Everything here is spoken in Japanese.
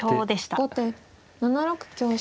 後手７六香車。